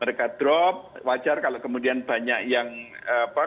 mereka drop wajar kalau kemudian banyak yang apa